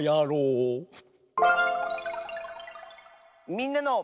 「みんなの」。